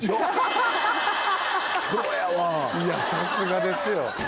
いやさすがですよ